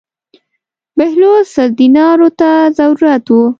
بهلول سل دینارو ته ضرورت و.